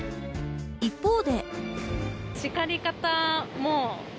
一方で。